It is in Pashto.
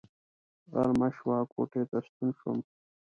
غرمه شوه کوټې ته ستون شوم.